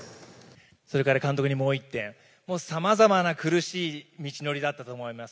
それから監督にもう一点、さまざまな苦しい道のりだったと思います。